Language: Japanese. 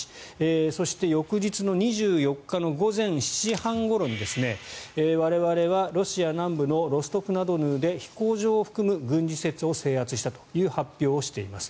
そして、翌日の２４日の午前７時半ごろに我々はロシア南部のロストフナドヌーで飛行場を含む軍事施設を制圧したという発表をしています。